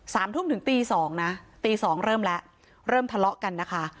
สามทุ่มถึงตีสองนะตีสองเริ่มแล้วเริ่มทะเลาะกันนะคะ